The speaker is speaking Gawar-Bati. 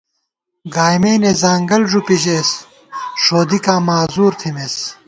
گائیمېنےځانگل ݫُپی ژېس، ݭودِکاں معذور تھِمېس